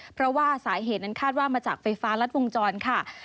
เพราะว่าสาเหตุนั้นคาดว่ามาจากไฟฟ้ารัดวงจรค่ะ